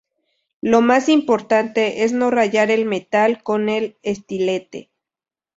Lo más importante es no rayar el metal con el estilete.